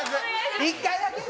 １回だけ。